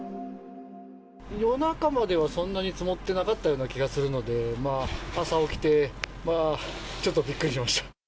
夜中まではそんなに積もってなかったような気がするので、朝起きて、ちょっとびっくりしました。